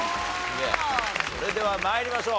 それでは参りましょう。